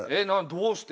どうして？